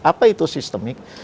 apa itu sistemik